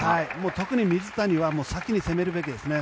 特に水谷は先に攻めるべきですね。